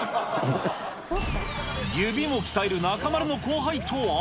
指も鍛える中丸の後輩とは。